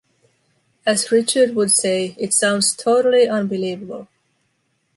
As Richard would say, it sounds totally unbelievable.